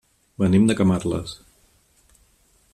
Venim de Camarles.